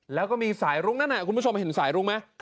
แล้วก็มีสายรุ้งนั่นคุณผู้ชมเห็นสายรุ้งไหม